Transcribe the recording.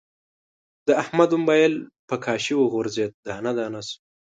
د احمد مبایل په کاشي و غورځید، دانه دانه شو.